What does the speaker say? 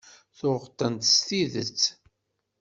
Tuɣeḍ-tent s tidet.